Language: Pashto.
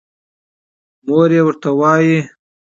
مور يې ورته وايې